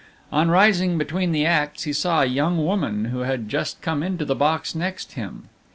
On rising between the acts, he saw a young woman who had just come into the box next him.